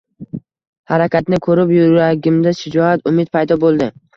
harakatini koʻrib, yuragimda shijoat, umid paydo boʻldi